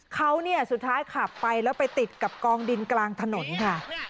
เขาเนี่ยสุดท้ายขับไปแล้วไปติดกับกองดินกลางถนนค่ะ